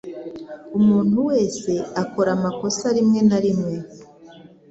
Umuntu wese akora amakosa rimwe na rimwe.